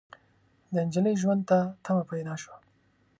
د نجلۍ ژوند ته تمه پيدا شوه.